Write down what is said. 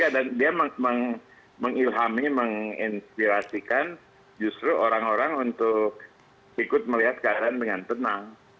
iya dan dia mengilhami menginspirasikan justru orang orang untuk ikut melihat keadaan dengan tenang